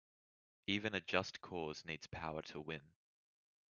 Even a just cause needs power to win.